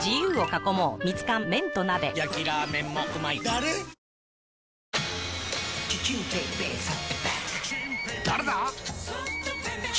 誰だ！